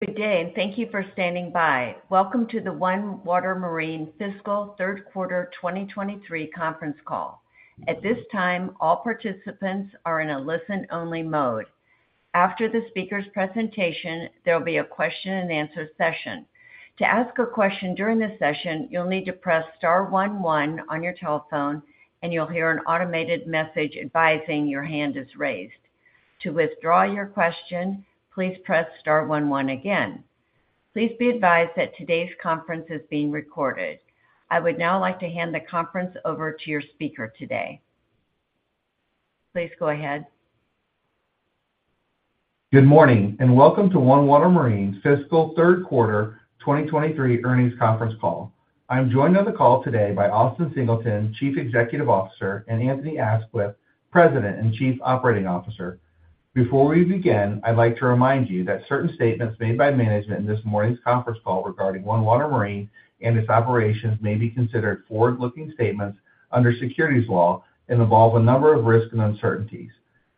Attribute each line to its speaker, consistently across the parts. Speaker 1: Good day. Thank you for standing by. Welcome to the OneWater Marine Fiscal Q3 2023 Conference Call. At this time, all participants are in a listen-only mode. After the speaker's presentation, there will be a Q&A session. To ask a question during this session, you'll need to press star one one on your telephone. You'll hear an automated message advising your hand is raised. To withdraw your question, please press star one one again. Please be advised that today's conference is being recorded. I would now like to hand the conference over to your speaker today. Please go ahead.
Speaker 2: Good morning, welcome to OneWater Marine's Fiscal Q3 2023 Earnings Conference Call. I'm joined on the call today by Austin Singleton, Chief Executive Officer, and Anthony Aisquith, President and Chief Operating Officer. Before we begin, I'd like to remind you that certain statements made by management in this morning's conference call regarding OneWater Marine and its operations may be considered forward-looking statements under securities law and involve a number of risks and uncertainties.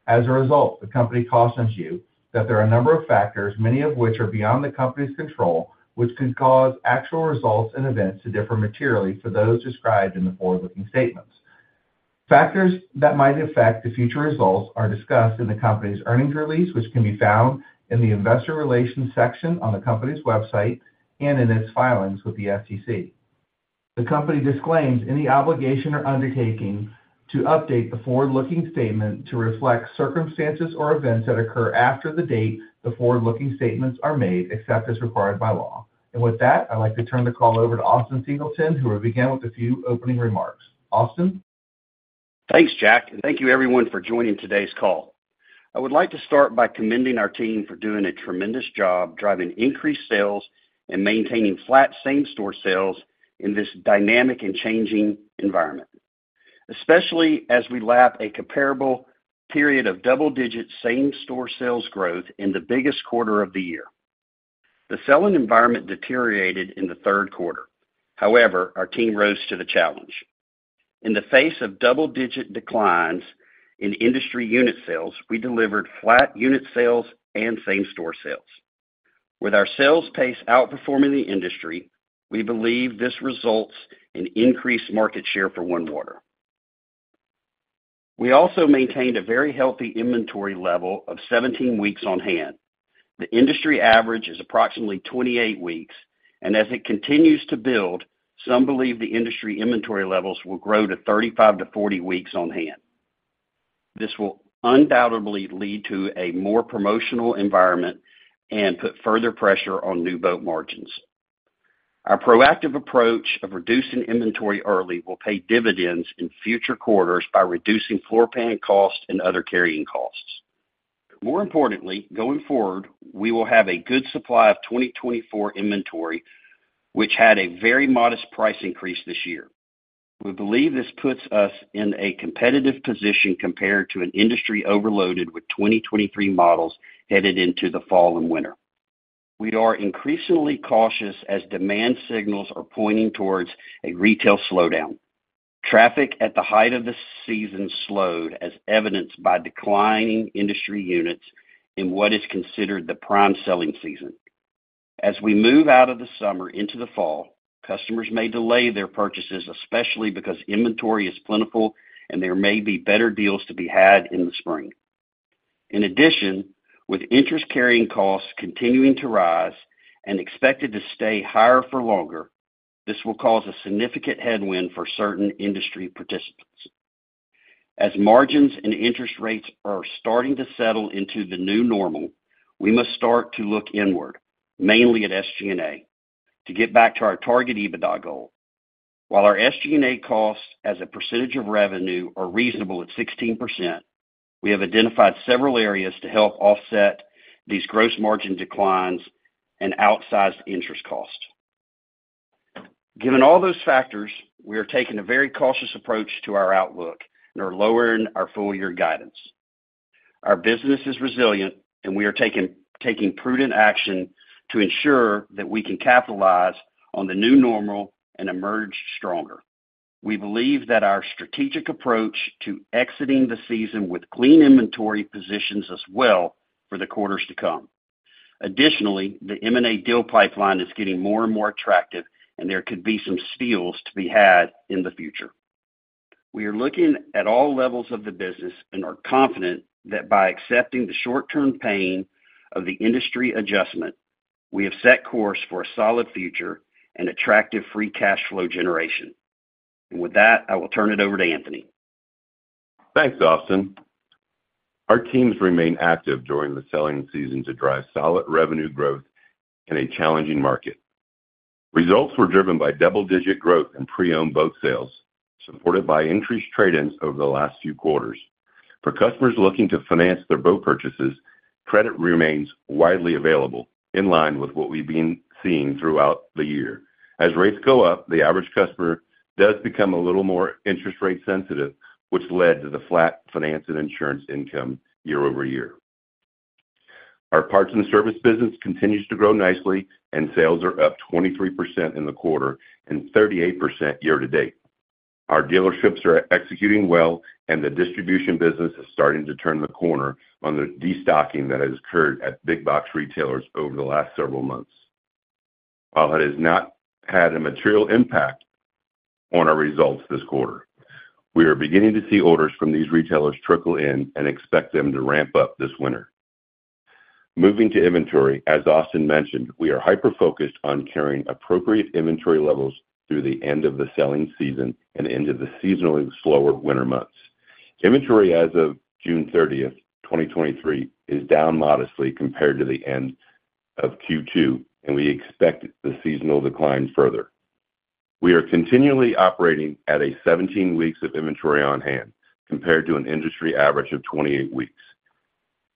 Speaker 2: As a result, the company cautions you that there are a number of factors, many of which are beyond the company's control, which could cause actual results and events to differ materially to those described in the forward-looking statements. Factors that might affect the future results are discussed in the company's earnings release, which can be found in the investor relations section on the company's website and in its filings with the SEC. The company disclaims any obligation or undertaking to update the forward-looking statement to reflect circumstances or events that occur after the date the forward-looking statements are made, except as required by law. With that, I'd like to turn the call over to Austin Singleton, who will begin with a few opening remarks. Austin?
Speaker 3: Thanks, Jack. Thank you everyone for joining today's call. I would like to start by commending our team for doing a tremendous job driving increased sales and maintaining flat same-store sales in this dynamic and changing environment, especially as we lap a comparable period of double-digit same-store sales growth in the biggest quarter of the year. The selling environment deteriorated in Q3. However, our team rose to the challenge. In the face of double-digit declines in industry unit sales, we delivered flat unit sales and same-store sales. With our sales pace outperforming the industry, we believe this results in increased market share for OneWater. We also maintained a very healthy inventory level of 17 weeks on hand. The industry average is approximately 28 weeks. As it continues to build, some believe the industry inventory levels will grow to 35-40 weeks on hand. This will undoubtedly lead to a more promotional environment and put further pressure on new boat margins. Our proactive approach of reducing inventory early will pay dividends in future quarters by reducing floor plan costs and other carrying costs. More importantly, going forward, we will have a good supply of 2024 inventory, which had a very modest price increase this year. We believe this puts us in a competitive position compared to an industry overloaded with 2023 models headed into the fall and winter. We are increasingly cautious as demand signals are pointing towards a retail slowdown. Traffic at the height of the season slowed, as evidenced by declining industry units in what is considered the prime selling season. As we move out of the summer into the fall, customers may delay their purchases, especially because inventory is plentiful and there may be better deals to be had in the spring. In addition, with interest carrying costs continuing to rise and expected to stay higher for longer, this will cause a significant headwind for certain industry participants. As margins and interest rates are starting to settle into the new normal, we must start to look inward, mainly at SG&A, to get back to our target EBITDA goal. While our SG&A costs as a percentage of revenue are reasonable at 16%, we have identified several areas to help offset these gross margin declines and outsized interest costs. Given all those factors, we are taking a very cautious approach to our outlook and are lowering our full-year guidance. Our business is resilient, we are taking prudent action to ensure that we can capitalize on the new normal and emerge stronger. We believe that our strategic approach to exiting the season with clean inventory positions us well for the quarters to come. Additionally, the M&A deal pipeline is getting more and more attractive, and there could be some steals to be had in the future. We are looking at all levels of the business and are confident that by accepting the short-term pain of the industry adjustment, we have set course for a solid future and attractive free cash flow generation. With that, I will turn it over to Anthony.
Speaker 4: Thanks, Austin. Our teams remained active during the selling season to drive solid revenue growth in a challenging market. Results were driven by double-digit growth in pre-owned boat sales, supported by increased trade-ins over the last few quarters. For customers looking to finance their boat purchases, credit remains widely available, in line with what we've been seeing throughout the year. As rates go up, the average customer does become a little more interest rate sensitive, which led to the flat finance and insurance income year-over-year. Our parts and service business continues to grow nicely. Sales are up 23% in the quarter and 38% year-to-date. Our dealerships are executing well, and the distribution business is starting to turn the corner on the destocking that has occurred at big box retailers over the last several months. While it has not had a material impact on our results this quarter, we are beginning to see orders from these retailers trickle in and expect them to ramp up this winter. Moving to inventory, as Austin mentioned, we are hyper-focused on carrying appropriate inventory levels through the end of the selling season and into the seasonally slower winter months. Inventory as of June 30, 2023, is down modestly compared to the end of Q2, and we expect the seasonal decline further. We are continually operating at a 17 weeks of inventory on hand, compared to an industry average of 28 weeks.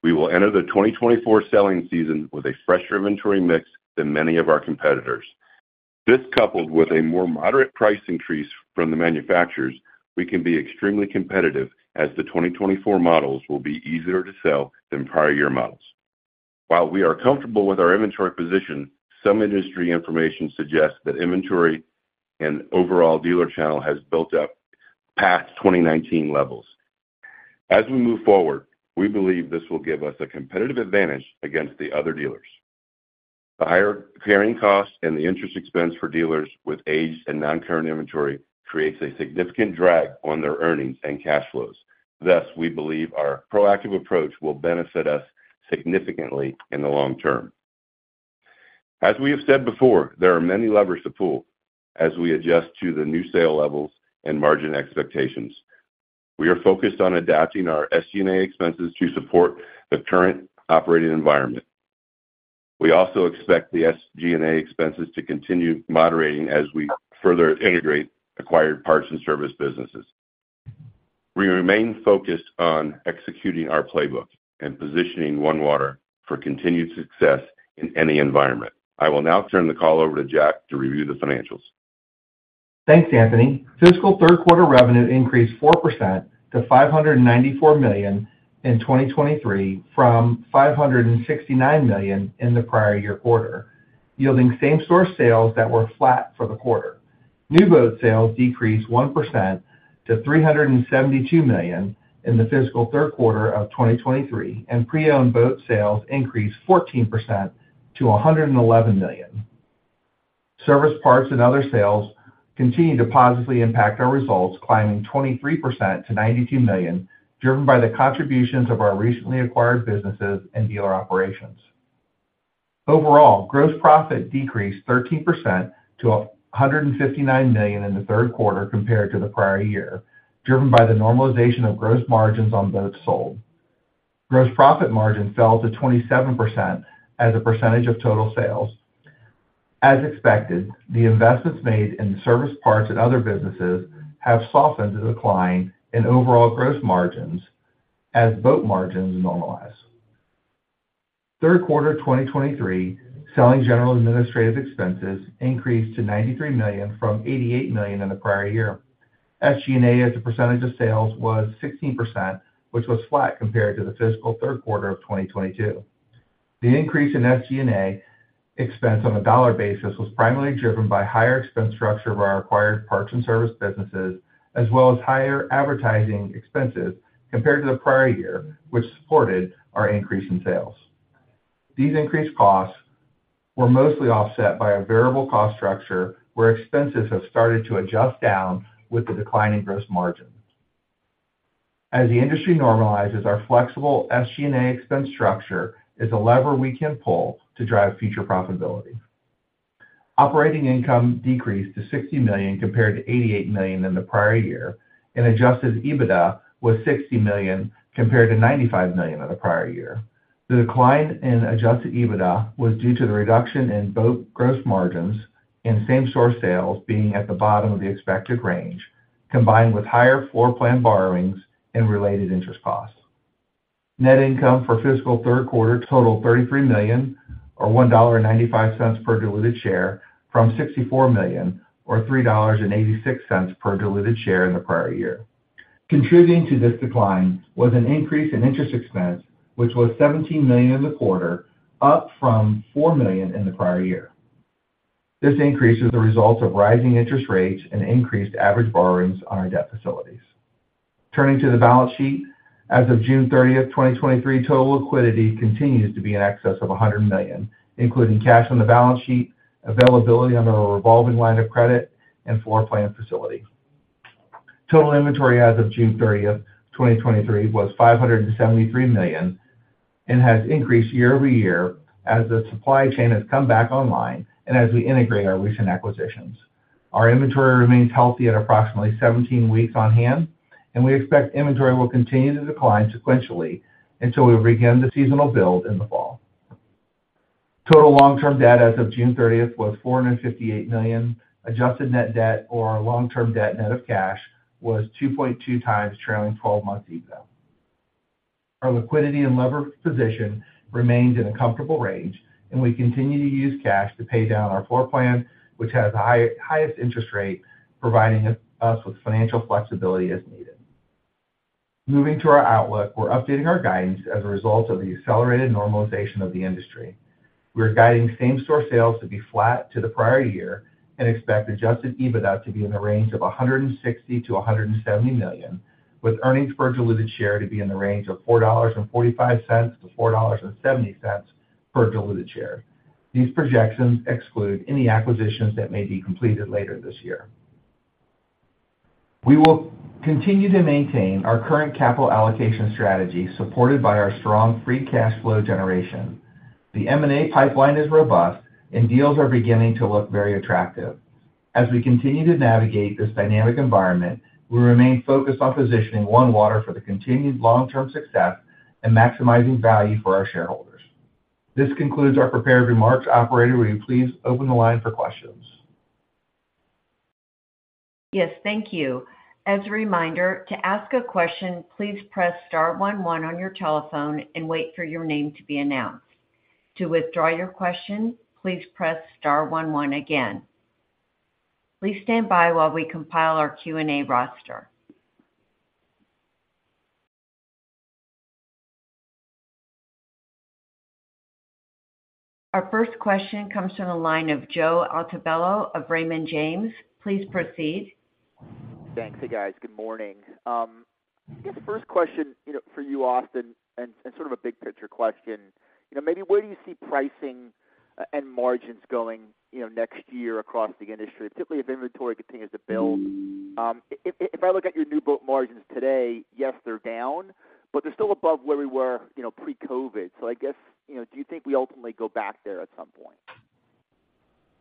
Speaker 4: We will enter the 2024 selling season with a fresher inventory mix than many of our competitors. This, coupled with a more moderate price increase from the manufacturers, we can be extremely competitive as the 2024 models will be easier to sell than prior year models. While we are comfortable with our inventory position, some industry information suggests that inventory and overall dealer channel has built up past 2019 levels. As we move forward, we believe this will give us a competitive advantage against the other dealers. The higher carrying costs and the interest expense for dealers with aged and non-current inventory creates a significant drag on their earnings and cash flows. Thus, we believe our proactive approach will benefit us significantly in the long term. As we have said before, there are many levers to pull as we adjust to the new sale levels and margin expectations. We are focused on adapting our SG&A expenses to support the current operating environment. We also expect the SG&A expenses to continue moderating as we further integrate acquired parts and service businesses. We remain focused on executing our playbook and positioning OneWater for continued success in any environment. I will now turn the call over to Jack to review the financials.
Speaker 2: Thanks, Anthony. Fiscal Q3 revenue increased 4% to $594 million in 2023, from $569 million in the prior year quarter, yielding same-store sales that were flat for the quarter. New boat sales decreased 1% to $372 million in the fiscal Q3 of 2023, and pre-owned boat sales increased 14% to $111 million. Service, parts, and other sales continued to positively impact our results, climbing 23% to $92 million, driven by the contributions of our recently acquired businesses and dealer operations. Overall, gross profit decreased 13% to $159 million in Q3 compared to the prior year, driven by the normalization of gross margins on boats sold. Gross profit margin fell to 27% as a percentage of total sales. As expected, the investments made in service, parts, and other businesses have softened the decline in overall gross margins as boat margins normalize. Third quarter 2023, Selling, General and Administrative expenses increased to $93 million from $88 million in the prior year. SG&A, as a percentage of sales, was 16%, which was flat compared to the fiscal Q3 of 2022. The increase in SG&A expense on a dollar basis was primarily driven by higher expense structure of our acquired parts and service businesses, as well as higher advertising expenses compared to the prior year, which supported our increase in sales. These increased costs were mostly offset by a variable cost structure, where expenses have started to adjust down with the declining gross margins. As the industry normalizes, our flexible SG&A expense structure is a lever we can pull to drive future profitability. Operating income decreased to $60 million compared to $88 million in the prior year. Adjusted EBITDA was $60 million compared to $95 million in the prior year. The decline in adjusted EBITDA was due to the reduction in boat gross margins and same-store sales being at the bottom of the expected range, combined with higher floor plan borrowings and related interest costs. Net income for fiscal Q3 totaled $33 million, or $1.95 per diluted share, from $64 million, or $3.86 per diluted share in the prior year. Contributing to this decline was an increase in interest expense, which was $17 million in the quarter, up from $4 million in the prior year. This increase is the result of rising interest rates and increased average borrowings on our debt facilities. Turning to the balance sheet. As of June 30, 2023, total liquidity continues to be in excess of $100 million, including cash on the balance sheet, availability under a revolving line of credit, and floor plan facility. Total inventory as of June 30, 2023, was $573 million and has increased year-over-year as the supply chain has come back online and as we integrate our recent acquisitions. Our inventory remains healthy at approximately 17 weeks on hand, and we expect inventory will continue to decline sequentially until we begin the seasonal build in the fall. Total long-term debt as of June 30 was $458 million. Adjusted net debt or long-term debt net of cash, was 2.2 times trailing twelve months EBITDA. Our liquidity and lever position remains in a comfortable range. We continue to use cash to pay down our floor plan, which has the highest interest rate, providing us with financial flexibility as needed. Moving to our outlook, we're updating our guidance as a result of the accelerated normalization of the industry. We're guiding same-store sales to be flat to the prior year and expect adjusted EBITDA to be in the range of $160 million-$170 million, with earnings per diluted share to be in the range of $4.45 to $4.70 per diluted share. These projections exclude any acquisitions that may be completed later this year. We will continue to maintain our current capital allocation strategy, supported by our strong free cash flow generation. The M&A pipeline is robust. Deals are beginning to look very attractive. As we continue to navigate this dynamic environment, we remain focused on positioning OneWater for the continued long-term success and maximizing value for our shareholders. This concludes our prepared remarks. Operator, will you please open the line for questions?
Speaker 1: Yes, thank you. As a reminder, to ask a question, please press star one one on your telephone and wait for your name to be announced. To withdraw your question, please press star one one again. Please stand by while we compile our Q&A roster. Our first question comes from the line of Joe Altobello of Raymond James. Please proceed.
Speaker 5: Thanks. Hey, guys. Good morning. I guess the first question, you know, for you, Austin, and, and sort of a big-picture question, you know, maybe where do you see pricing, and margins going, you know, next year across the industry, particularly if inventory continues to build? If I look at your new boat margins today, yes, they're down, but they're still above where we were, you know, pre-COVID. I guess, you know, do you think we ultimately go back there at some point?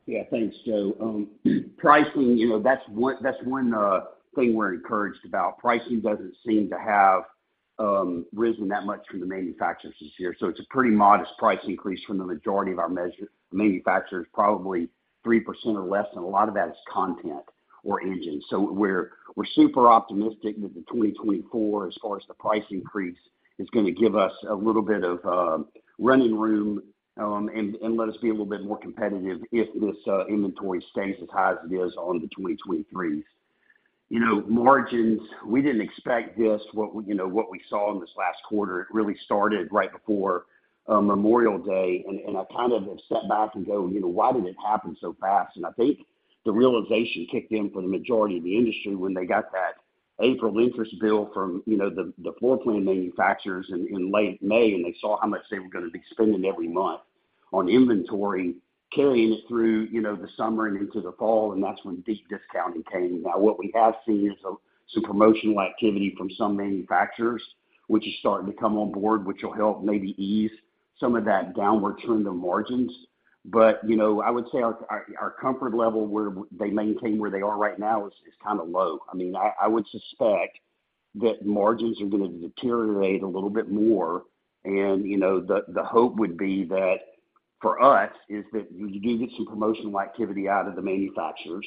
Speaker 3: Yeah, thanks, Joe. Pricing, you know, that's one, that's one thing we're encouraged about. Pricing doesn't seem to have risen that much from the manufacturers this year, so it's a pretty modest price increase from the majority of our manufacturers, probably 3% or less, and a lot of that is content or engines. We're, we're super optimistic that the 2024, as far as the price increase, is going to give us a little bit of running room, and let us be a little bit more competitive if this inventory stays as high as it is on the 2023s. You know, margins, we didn't expect this, what, you know, what we saw in this last quarter. It really started right before Memorial Day, and I kind of have stepped back and go, you know, why did it happen so fast? I think the realization kicked in for the majority of the industry when they got that April interest bill from, you know, the, the floor plan manufacturers in, in late May, and they saw how much they were going to be spending every month on inventory, carrying it through, you know, the summer and into the fall, and that's when deep discounting came. Now, what we have seen is some, some promotional activity from some manufacturers, which is starting to come on board, which will help maybe ease some of that downward trend of margins. You know, I would say our, our, our comfort level, where they maintain where they are right now is, is kind of low. I mean, I, I would suspect that margins are going to deteriorate a little bit more. You know, the, the hope would be that, for us, is that you do get some promotional activity out of the manufacturers,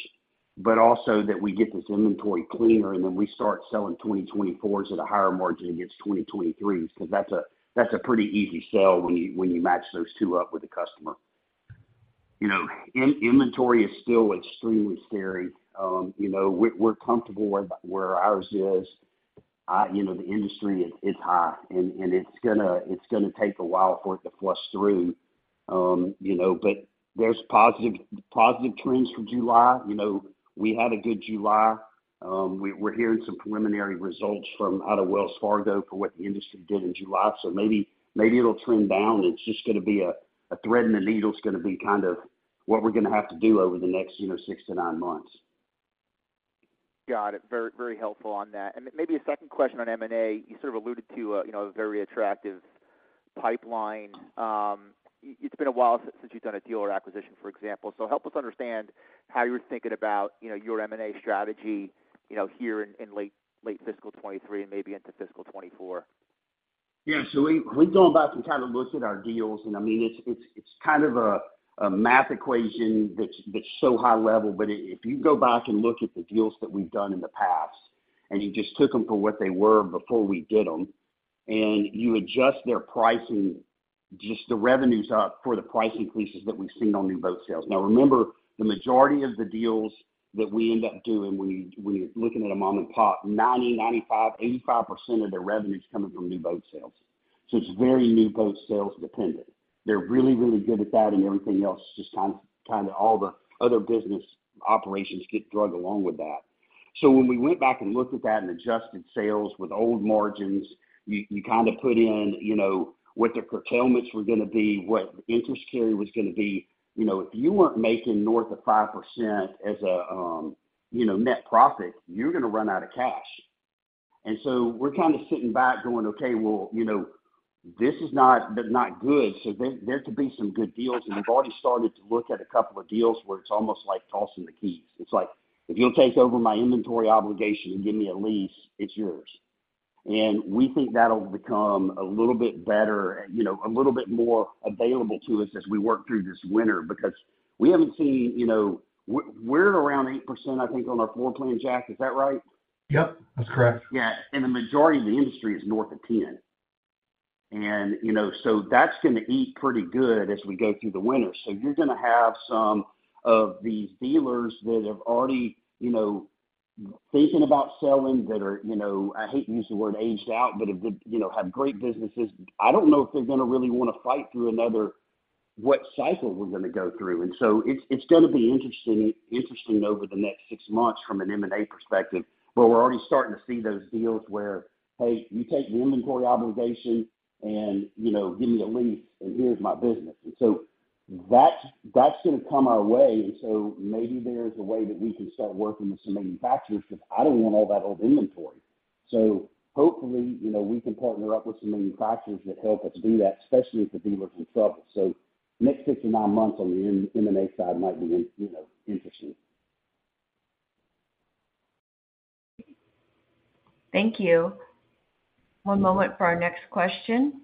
Speaker 3: but also that we get this inventory cleaner, and then we start selling 2024s at a higher margin against 2023s, because that's a, that's a pretty easy sell when you, when you match those two up with the customer. You know, in-inventory is still extremely scary. You know, we're, we're comfortable with where ours is. You know, the industry is, is high, and, and it's gonna, it's gonna take a while for it to flush through. You know, but there's positive, positive trends for July. You know, we had a good July. We're, we're hearing some preliminary results from out of Wells Fargo for what the industry did in July, so maybe, maybe it'll trend down, and it's just going to be a, a thread in the needle is going to be kind of what we're going to have to do over the next, you know, six to nine months.
Speaker 5: Got it. Very, very helpful on that. Maybe a second question on M&A. You sort of alluded to a, you know, a very attractive pipeline. It's been a while since you've done a dealer acquisition, for example. Help us understand how you're thinking about, you know, your M&A strategy, you know, here in, in late, late fiscal 2023 and maybe into fiscal 2024?
Speaker 3: Yeah, we, we've gone back and kind of looked at our deals, and I mean, it's, it's, it's kind of a, a math equation that's, that's so high level. If you go back and look at the deals that we've done in the past, and you just took them for what they were before we did them, and you adjust their pricing, just the revenues up for the price increases that we've seen on new boat sales. Remember, the majority of the deals that we end up doing, we, we're looking at them on the top 90%, 95%, 85% of their revenue is coming from new boat sales. It's very new boat sales dependent. They're really, really good at that, and everything else is just kind of all the other business operations get drug along with that. When we went back and looked at that and adjusted sales with old margins, you, you kind of put in, you know, what the curtailments were going to be, what the interest carry was going to be. You know, if you weren't making north of 5% as a, you know, net profit, you're going to run out of cash. We're kind of sitting back going, okay, well, you know, this is not, not good, so there, there could be some good deals. We've already started to look at a couple of deals where it's almost like tossing the keys. It's like: If you'll take over my inventory obligation and give me a lease, it's yours. We think that'll become a little bit better and, you know, a little bit more available to us as we work through this winter, because we haven't seen, you know... We're, we're at around 8%, I think, on our floor plan, Jack. Is that right?
Speaker 2: Yep, that's correct.
Speaker 3: Yeah. The majority of the industry is north of 10. You know, that's going to eat pretty good as we go through the winter. You're going to have some of these dealers that have already, you know, thinking about selling, that are, you know, I hate to use the word aged out, but have good-- you know, have great businesses. I don't know if they're going to really want to fight through another, what cycle we're going to go through. It's, it's going to be interesting, interesting over the next six months from an M&A perspective, where we're already starting to see those deals where, hey, you take the inventory obligation and, you know, give me a lease, and here's my business. That's, that's going to come our way. Maybe there's a way that we can start working with some manufacturers, because I don't want all that old inventory. Hopefully, you know, we can partner up with some manufacturers that help us do that, especially if the dealer's in trouble. Next six to nine months on the M-M&A side might be in, you know, interesting.
Speaker 1: Thank you. One moment for our next question.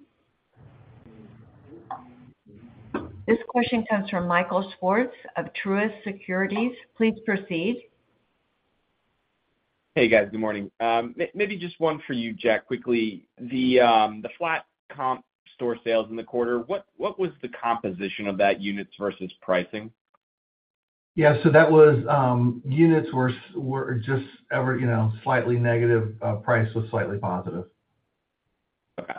Speaker 1: This question comes from Michael Swartz of Truist Securities. Please proceed.
Speaker 6: Hey, guys, good morning. Maybe just one for you, Jack, quickly. The flat comp store sales in the quarter, what was the composition of that units versus pricing?
Speaker 2: Yeah, that was, units were just ever, you know, slightly negative. Price was slightly positive.
Speaker 6: Okay.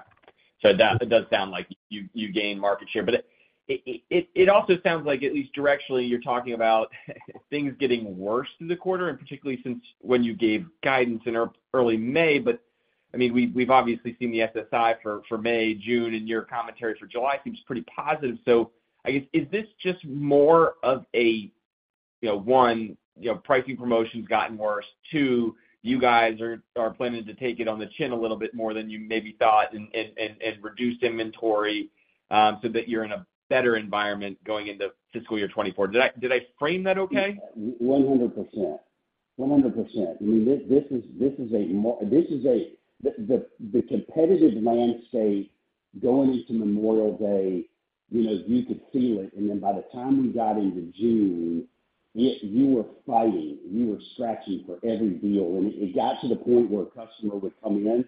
Speaker 6: That does sound like you, you gained market share, but it, it, it also sounds like, at least directionally, you're talking about things getting worse in the quarter, and particularly since when you gave guidance in early May. I mean, we've, we've obviously seen the SSI for, for May, June, and your commentary for July seems pretty positive. I guess, is this just more of a, you know, One you know, pricing promotions gotten worse? Two, you guys are, are planning to take it on the chin a little bit more than you maybe thought and, and, and, and reduce inventory, so that you're in a better environment going into fiscal year 2024. Did I, did I frame that okay?
Speaker 3: 100%. 100%. I mean, this, this is, this is the competitive landscape going into Memorial Day, you know, you could feel it. Then by the time we got into June, you were fighting, you were scratching for every deal. It, it got to the point where a customer would come in,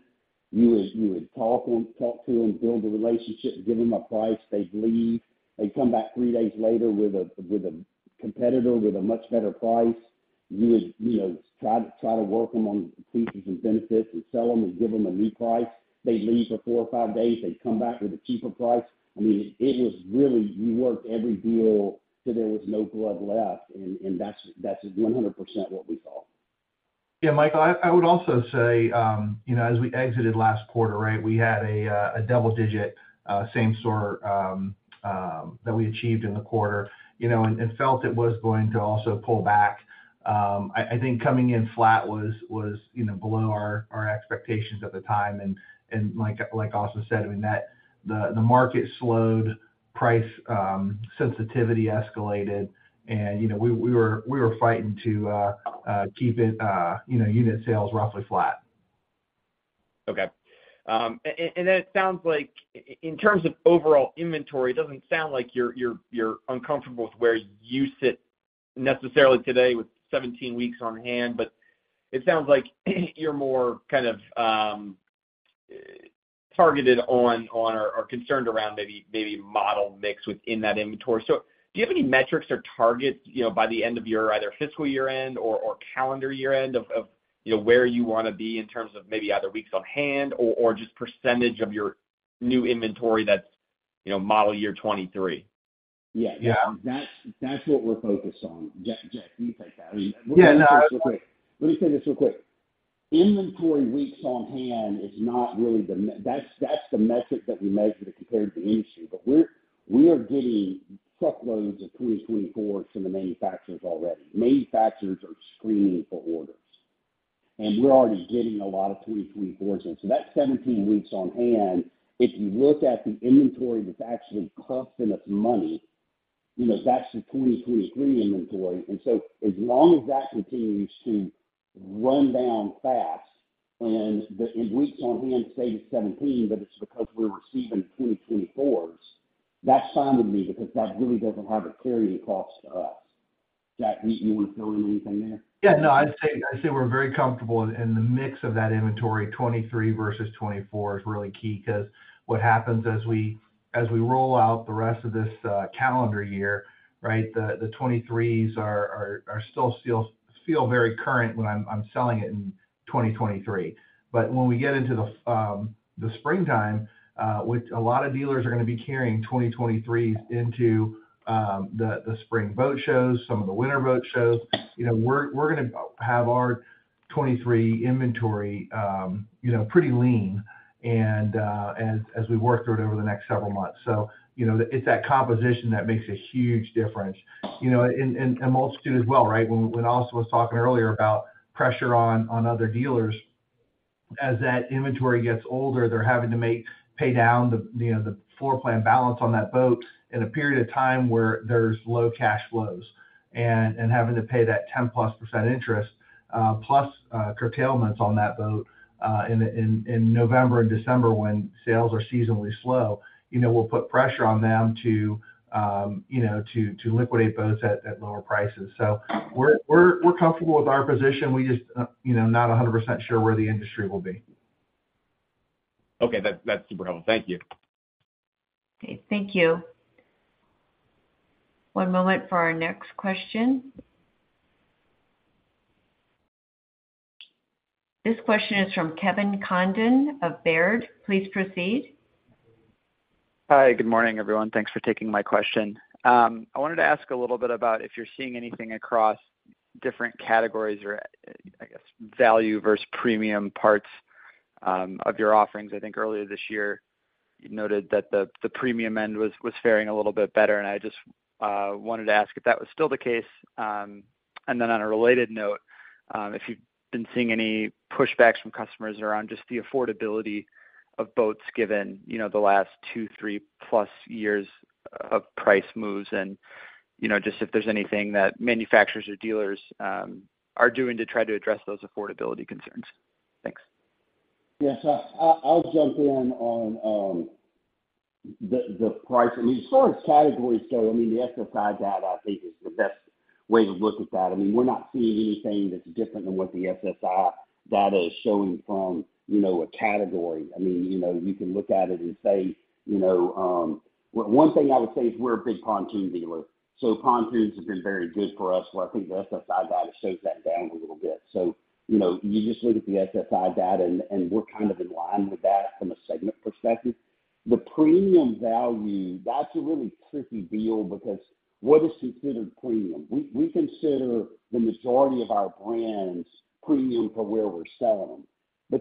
Speaker 3: you would, you would talk them, talk to them, build a relationship, give them a price. They'd leave. They'd come back three days later with a, with a competitor, with a much better price. You would, you know, try to, try to work them on features and benefits and sell them and give them a new price. They'd leave for four or five days, they'd come back with a cheaper price. I mean, it was really, you worked every deal till there was no blood left, and, and that's, that's 100% what we saw.
Speaker 2: Yeah, Michael, I, I would also say, you know, as we exited last quarter, right, we had a, a double digit, same store, that we achieved in the quarter, you know, and, and felt it was going to also pull back. I, I think coming in flat was, was, you know, below our, our expectations at the time. Like, like Austin said, I mean, that the, the market slowed, price, sensitivity escalated, and, you know, we, we were, we were fighting to keep it, you know, unit sales roughly flat.
Speaker 6: Okay. It sounds like in terms of overall inventory, it doesn't sound like you're, you're, you're uncomfortable with where you sit necessarily today with 17 weeks on hand, but it sounds like you're more kind of, targeted on or concerned around maybe model mix within that inventory. Do you have any metrics or targets, you know, by the end of your either fiscal year-end or calendar year-end of, you know, where you want to be in terms of maybe either weeks on hand or just percentage of your new inventory that's, you know, model year 2023?
Speaker 3: Yeah.
Speaker 2: Yeah.
Speaker 3: That's, that's what we're focused on. Jack, Jack, you take that.
Speaker 2: Yeah.
Speaker 3: Let me say this real quick. Let me say this real quick. Inventory weeks on hand is not really the me-- that's, that's the metric that we measure to compare to the industry, we are getting truckloads of 2024s from the manufacturers already. Manufacturers are screaming for orders, we're already getting a lot of 2024s in. That 17 weeks on hand, if you look at the inventory that's actually costing us money, you know, that's the 2023s inventory. As long as that continues to run down fast and the, the weeks on hand, say, is 17, but it's because we're receiving 2024s, that's fine with me because that really doesn't have a carrying cost to us. Jack, you, you want to fill in anything there?
Speaker 2: Yeah, no, I'd say, I'd say we're very comfortable, and the mix of that inventory, 2023s versus 2024s, is really key. What happens as we, as we roll out the rest of this calendar year, right, the, the 2023s are, are, are still, still feel very current when I'm, I'm selling it in 2023. When we get into the springtime, which a lot of dealers are going to be carrying 2023s into, the, the spring boat shows, some of the winter boat shows, you know, we're, we're going to have our 2023s inventory, you know, pretty lean and, as, as we work through it over the next several months. You know, it's that composition that makes a huge difference. You know, and, and, and Multitude as well, right? When, when Austin was talking earlier about pressure on, on other dealers, as that inventory gets older, they're having to pay down the, you know, the floor plan balance on that boat in a period of time where there's low cash flows. Having to pay that 10+% interest, plus curtailments on that boat in November and December, when sales are seasonally slow, you know, will put pressure on them to, you know, to liquidate boats at, at lower prices. We're, we're, we're comfortable with our position. We just, you know, not 100% sure where the industry will be.
Speaker 6: Okay. That, that's super helpful. Thank you.
Speaker 1: Okay. Thank you. One moment for our next question. This question is from Kevin Condon of Baird. Please proceed.
Speaker 7: Hi, good morning, everyone. Thanks for taking my question. I wanted to ask a little bit about if you're seeing anything across different categories or, I guess, value versus premium parts of your offerings. I think earlier this year, you noted that the, the premium end was, was faring a little bit better, and I just wanted to ask if that was still the case. Then on a related note, if you've been seeing any pushbacks from customers around just the affordability of boats, given, you know, the last two, three plus years of price moves and, you know, just if there's anything that manufacturers or dealers are doing to try to address those affordability concerns? Thanks.
Speaker 3: Yes, I, I, I'll jump in on the price. I mean, as far as categories go, I mean, the SSI data, I think, is the best way to look at that. I mean, we're not seeing anything that's different than what the SSI data is showing from, you know, a category. I mean, you know, you can look at it and say, you know. One, one thing I would say is we're a big pontoon dealer, so pontoons have been very good for us, where I think the SSI data shaves that down a little bit. You know, you just look at the SSI data, and, and we're kind of in line with that from a segment perspective. The premium value, that's a really tricky deal because what is considered premium? We, we consider the majority of our brands premium for where we're selling them.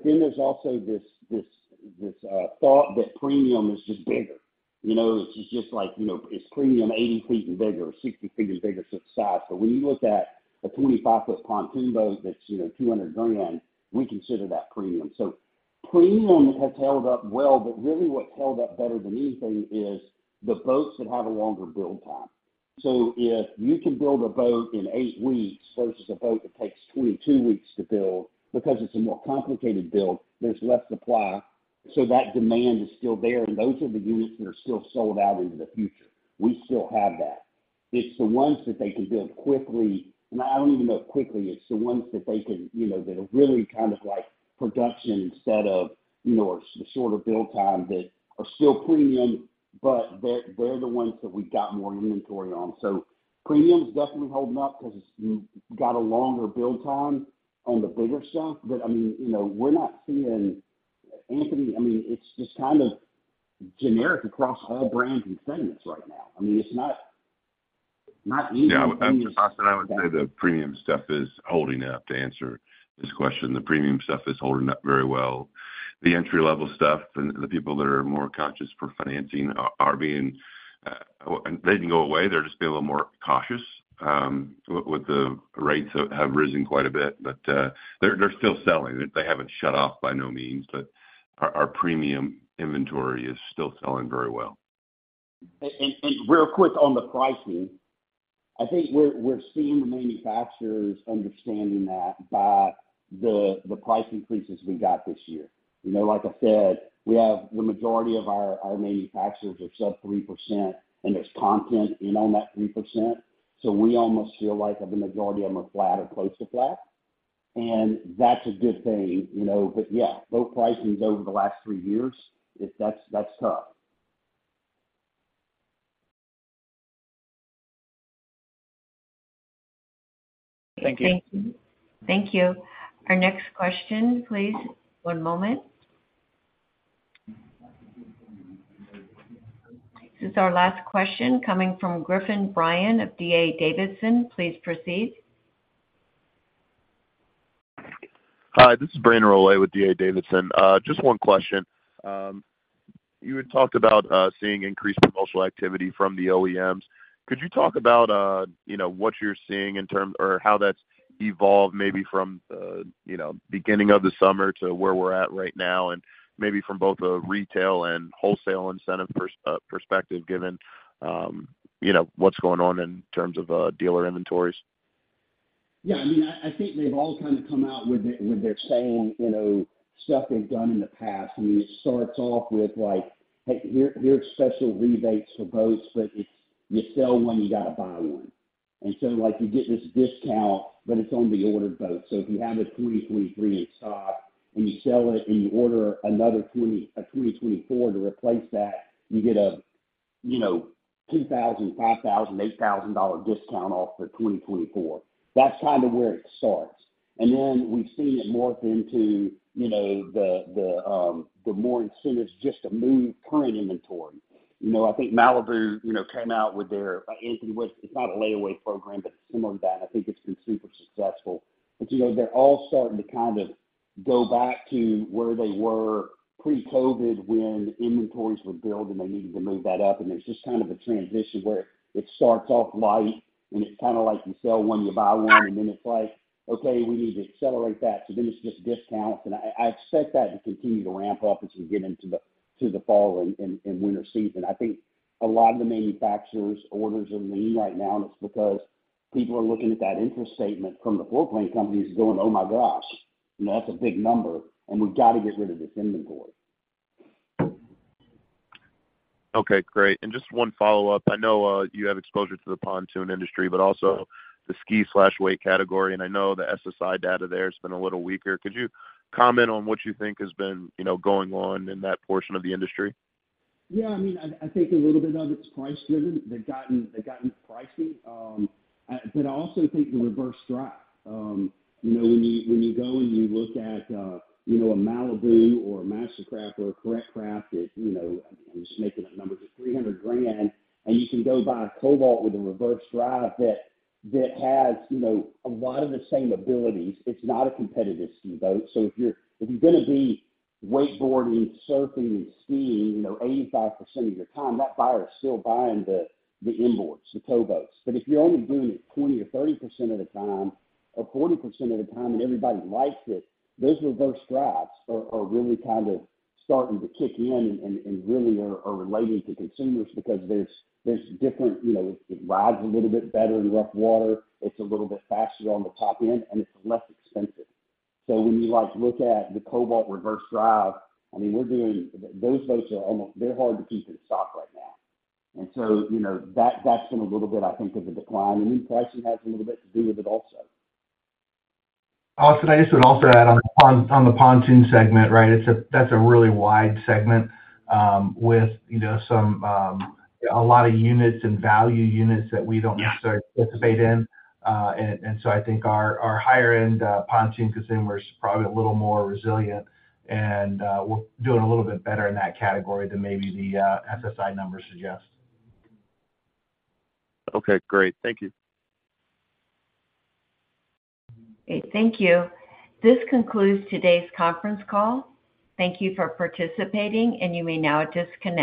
Speaker 3: Then there's also this, this, this thought that premium is just bigger. You know, it's just like, you know, it's premium 80 feet and bigger or 60 feet is bigger, so it's size. When you look at a 25-foot pontoon boat that's, you know, $200,000, we consider that premium. Premium has held up well, but really what held up better than anything is the boats that have a longer build time. If you can build a boat in 8 weeks versus a boat that takes 22 weeks to build, because it's a more complicated build, there's less supply, so that demand is still there, and those are the units that are still sold out into the future. We still have that. It's the ones that they can build quickly, and I don't even know quickly. It's the ones that they can, you know, that are really kind of like production set of, you know, or shorter build time that are still premium, but they're, they're the ones that we've got more inventory on. Premium is definitely holding up because it's got a longer build time on the bigger stuff. I mean, you know, we're not seeing, Anthony, I mean, it's just kind of generic across all brands and segments right now. I mean, it's not, not easy.
Speaker 4: Yeah, I would say the premium stuff is holding up. To answer this question, the premium stuff is holding up very well. The entry-level stuff and the people that are more cautious for financing are being. They didn't go away. They're just being a little more cautious, with the rates have risen quite a bit, but they're still selling. They haven't shut off by no means, but our premium inventory is still selling very well.
Speaker 3: Real quick on the pricing. I think we're, we're seeing the manufacturers understanding that by the, the price increases we got this year. You know, like I said, we have the majority of our, our manufacturers are up 3%, and there's content in on that 3%, so we almost feel like the majority of them are flat or close to flat. That's a good thing, you know. Yeah, boat pricing over the last three years, that's, that's tough.
Speaker 7: Thank you.
Speaker 1: Thank you. Our next question, please. One moment. This is our last question coming from Griffin Bryan of D.A. Davidson. Please proceed.
Speaker 8: Hi, this is Brandon Rollé with D.A. Davidson. Just one question. You had talked about, seeing increased promotional activity from the OEMs. Could you talk about, you know, what you're seeing in terms or how that's evolved maybe from the, you know, beginning of the summer to where we're at right now, and maybe from both a retail and wholesale incentive perspective, given, you know, what's going on in terms of, dealer inventories?
Speaker 3: Yeah, I mean, I, I think they've all kind of come out with their, with their same, you know, stuff they've done in the past. I mean, it starts off with like, hey, here, here's special rebates for boats, but if you sell one, you got to buy one. Like, you get this discount, but it's on the ordered boat. So if you have a 2023 in stock and you sell it and you order another 2024 to replace that, you get a, you know, $2,000, $5,000, $8,000 discount off the 2024. That's kind of where it starts. Then we've seen it morph into, you know, the, the, the more incentives just to move current inventory. You know, I think Malibu, you know, came out with their, Anthony, it's not a layaway program, but similar to that. I think it's been super successful. You know, they're all starting to kind of go back to where they were pre-COVID when inventories were built, and they needed to move that up, and it's just kind of a transition where it starts off light, and it's kind of like you sell one, you buy one, and then it's like, okay, we need to accelerate that. Then it's just discounts. I expect that to continue to ramp up as you get into the fall and winter season. I think a lot of the manufacturers' orders are lean right now. It's because people are looking at that interest statement from the floor plan companies and going, "Oh, my gosh, you know, that's a big number, and we've got to get rid of this inventory.
Speaker 8: Okay, great. Just one follow-up. I know, you have exposure to the pontoon industry, but also the ski/wake category, and I know the SSI data there has been a little weaker. Could you comment on what you think has been, you know, going on in that portion of the industry?
Speaker 3: Yeah, I mean, I, I think a little bit of it's price-driven. They've gotten, they've gotten pricey. I also think the reverse drive, you know, when you, when you go and you look at, you know, a Malibu or a MasterCraft or a Correct Craft, it, you know, I'm just making up numbers, $300,000, and you can go buy a Cobalt with a reverse drive that, that has, you know, a lot of the same abilities. It's not a competitive ski boat. If you're, if you're going to be wakeboarding, surfing, and skiing, you know, 85% of your time, that buyer is still buying the, the inboards, the towboats. If you're only doing it 20% or 30% of the time, or 40% of the time, and everybody likes it, those reverse drives are, are really kind of starting to kick in and, and really are, are relating to consumers because there's, there's different, you know, it rides a little bit better in rough water, it's a little bit faster on the top end, and it's less expensive. When you, like, look at the Cobalt reverse drive, I mean, we're doing-- those boats are almost, they're hard to keep in stock right now. You know, that, that's been a little bit, I think, of the decline, and then pricing has a little bit to do with it also.
Speaker 4: Austin, I just would also add on, on the pontoon segment, right. That's a really wide segment, with, you know, some, a lot of units and value units that we don't necessarily participate in. I think our, our higher-end, pontoon consumer is probably a little more resilient, and, we're doing a little bit better in that category than maybe the, SSI numbers suggest.
Speaker 8: Okay, great. Thank you.
Speaker 1: Okay, thank you. This concludes today's conference call. Thank you for participating, and you may now disconnect.